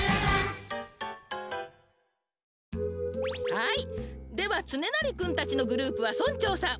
はいではつねなりくんたちのグループは村長さん。